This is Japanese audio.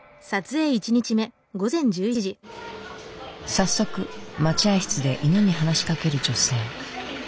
早速待合室で犬に話しかける女性。